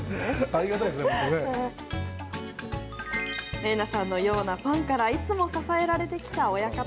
伶奈さんのようなファンからいつも支えられてきた親方。